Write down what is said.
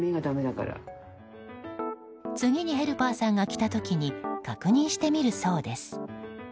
次にヘルパーさんが来た時に確認してみるそうです。